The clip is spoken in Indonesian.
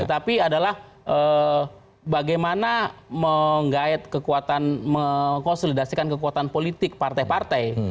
tetapi adalah bagaimana mengait kekuatan mengkonsolidasikan kekuatan politik partai partai